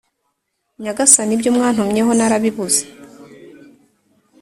«Nyagasani ibyo mwantumyeho narabibuze,